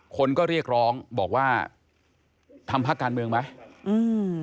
คนก็เรียกร้องบอกว่าทำภักดิ์การเมืองไหม